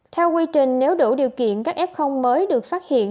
theo quy trình nếu đủ điều kiện các f mới được phát hiện